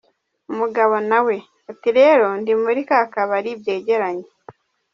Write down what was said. Umugabo nawe ati “Rero ndi muri ka kabari byegeranye !”.